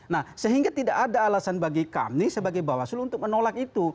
nah sehingga tidak ada alasan bagi kami sebagai bawaslu untuk menolak itu